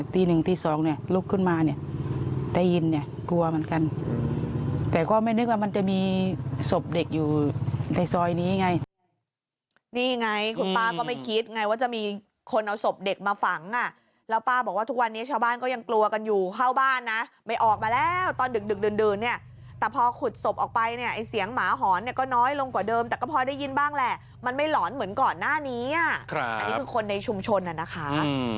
ฟังจากคุณจิตราครับฟังจากคุณจิตราครับฟังจากคุณจิตราครับฟังจากคุณจิตราครับฟังจากคุณจิตราครับฟังจากคุณจิตราครับฟังจากคุณจิตราครับฟังจากคุณจิตราครับฟังจากคุณจิตราครับฟังจากคุณจิตราครับฟังจากคุณจิตราครับฟังจากคุณจิตราครับฟังจ